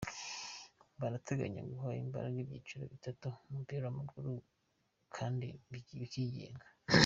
Barateganya guha imbaraga ibyiciro bitatu mu mupira w’amaguru kandi bikigenga.